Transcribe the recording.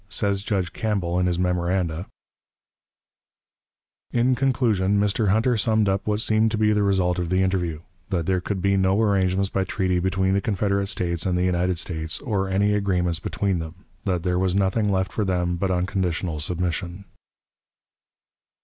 Says Judge Campbell, in his memoranda: "In conclusion, Mr. Hunter summed up what seemed to be the result of the interview: that there could be no arrangements by treaty between the Confederate States and the United States, or any agreements between them; that there was nothing left for them but unconditional submission."